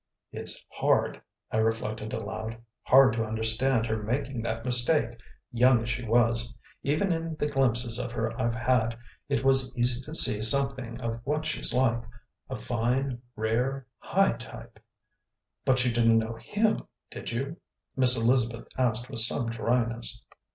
"It's hard," I reflected aloud, "hard to understand her making that mistake, young as she was. Even in the glimpses of her I've had, it was easy to see something of what she's like: a fine, rare, high type " "But you didn't know HIM, did you?" Miss Elizabeth asked with some dryness.